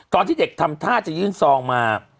ตอนที่เด็กทำท่าจะยื่นซองมา